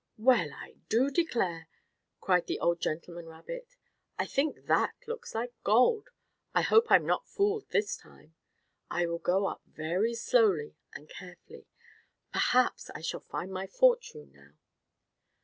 "Well, I do declare!" cried the old gentleman rabbit. "I think that looks like gold. I hope I'm not fooled this time. I will go up very slowly and carefully. Perhaps I shall find my fortune now."